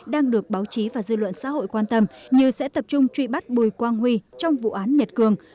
đang được báo chí và dư luận xã hội quan tâm như sẽ tập trung truy bắt bùi quang huy trong vụ án nhật cường